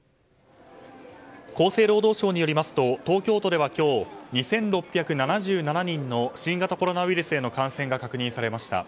厚生労働省によりますと東京都では今日２６７７人の新型コロナウイルスへの感染が確認されました。